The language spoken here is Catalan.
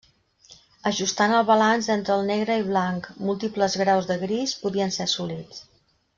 Ajustant el balanç entre el negre i blanc, múltiples graus de gris podien ser assolits.